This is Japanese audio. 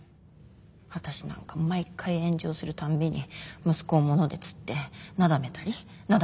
私なんか毎回炎上するたんびに息子を物で釣ってなだめたりなだめられなかったり。